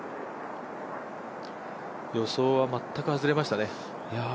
予想は全く外れましたね。